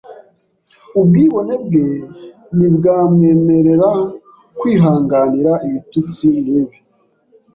Ubwibone bwe ntibwamwemerera kwihanganira ibitutsi nkibi.